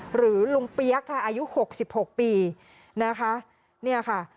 หรือลุงเปี๊ยกค่ะอายุหกสิบหกปีนะคะเนี่ยค่ะ